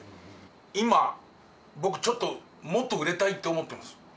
今、僕、ちょっと、もっと売れたいと思ってます。